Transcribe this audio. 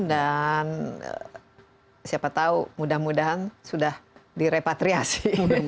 dan siapa tahu mudah mudahan sudah direpatriasi